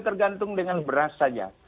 tergantung dengan beras saja